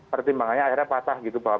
pertimbangannya akhirnya patah gitu bahwa